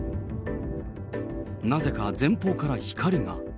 なぜか前方から光が。